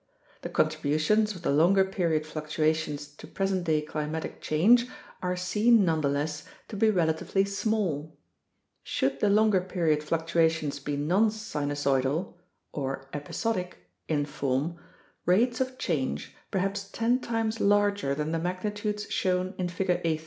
The contributions of the longer period fluctuations to present day climatic change are seen nonetheless 186 UNDERSTANDING CLIMATIC CHANGE to be relatively small. Should the longer period fluctuations be non sinusoidal (or episodic) in form, rates of change perhaps ten times larger than the magnitudes shown in Figure A.